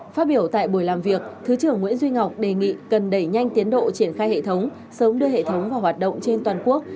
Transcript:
phát biểu tại buổi làm việc thứ trưởng nguyễn duy ngọc đề nghị cần đẩy nhanh tiến độ triển khai hệ thống sớm đưa hệ thống vào hoạt động trên toàn quốc